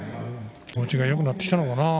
相当気持ちがよくなってきたのかな？